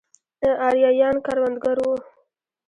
ارایایان کروندګر وو.